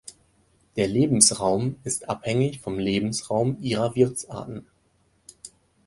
Der Lebensraum ist abhängig vom Lebensraum ihrer Wirtsarten.